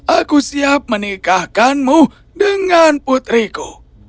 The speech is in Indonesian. aku siap menikahkanmu dengan putriku